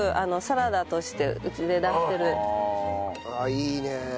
いいね。